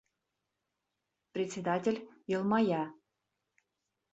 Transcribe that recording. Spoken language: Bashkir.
Председатель йылмая: